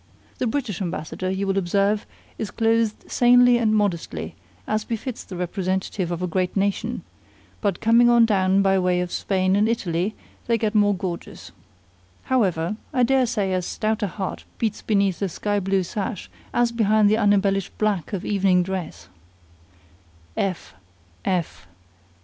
The British ambassador, you will observe, is clothed sanely and modestly, as befits the representative of a great nation; but coming on down by way of Spain and Italy, they get more gorgeous. However, I dare say as stout a heart beats beneath a sky blue sash as behind the unembellished black of evening dress."